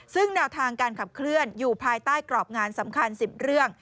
ซึ่งแนวทางการขับเคลื่อนอยู่ภายใต้กรอบงานสำคัญ๑๐เรื่อง